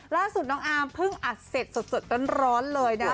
ล่าสุดน้องอาร์มเพิ่งอัดเสร็จสดร้อนเลยนะ